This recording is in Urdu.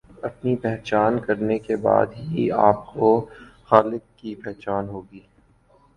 اپنی پہچان کرنے کے بعد ہی آپ کو خالق کی پہچان ہوگی